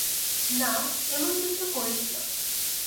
না, এমন কিছু করিস না।